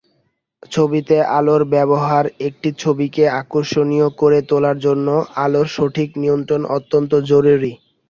ছবিতে আলোর ব্যবহারএকটি ছবিকে আকর্ষণীয় করে তোলার জন্য আলোর সঠিক নিয়ন্ত্রণ অত্যন্ত জরুরি।